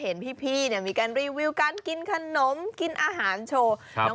เห็นพี่เนี่ยมีการรีวิวการกินขนมกินอาหารโชว์